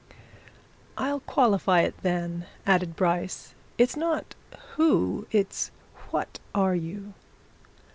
"I'll qualify it, then," added Bryce. "It's not who it's what are you!"